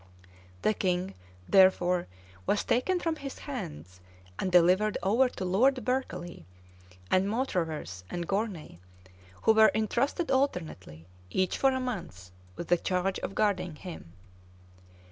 The king, therefore, was taken from his hands, and delivered over to Lord Berkeley, and Mautravers, and Gournay, who were intrusted alternately, each for a month, with the charge of guarding him.